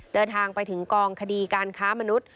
เดินทางไปถึงกองคดีการค้ามนุษย์